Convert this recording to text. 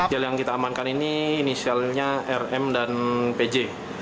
gel yang kita amankan ini inisialnya rm dan pj